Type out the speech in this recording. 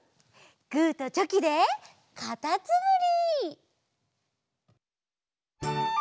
グーとチョキでかたつむり！